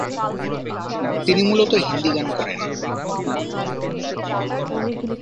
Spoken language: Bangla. তিনি মূলত হিন্দি গান করেন।